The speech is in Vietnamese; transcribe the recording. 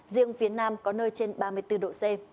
riêng phía nam có nơi trên ba mươi bốn độ c